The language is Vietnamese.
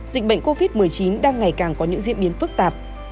dịch bệnh covid một mươi chín đang ngày càng có những diễn biến phức tạp